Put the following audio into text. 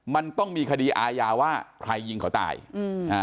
มันต้องมีคดีอาญาว่าใครยิงเขาตายอืมอ่า